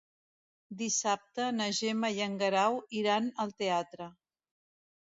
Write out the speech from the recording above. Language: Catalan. Dissabte na Gemma i en Guerau iran al teatre.